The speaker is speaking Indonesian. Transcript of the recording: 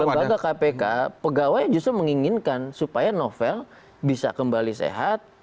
lembaga kpk pegawai justru menginginkan supaya novel bisa kembali sehat